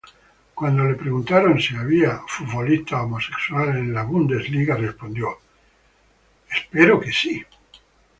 Cuando le preguntaron si había futbolistas homosexuales en la Bundesliga, respondió: "espero que no".